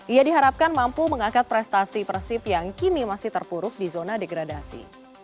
ia diharapkan mampu mengangkat prestasi persib yang kini masih terpuruk di zona degradasi